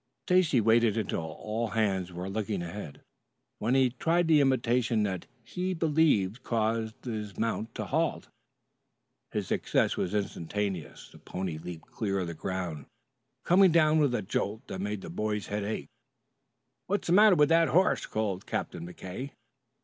Stacy waited until all hands were looking ahead when he tried the imitation that he believed had caused his mount to halt. His success was instantaneous. The pony leaped clear of the ground, coming down with a jolt that made the boy's head ache. "What's the matter with that horse?" called Captain McKay.